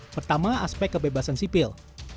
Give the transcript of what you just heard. pertama aspek kebebasan sipil